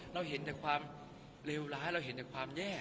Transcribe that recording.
เราเห็นแต่ความเลวร้ายเราเห็นแต่ความแย่